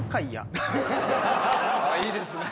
いいですね。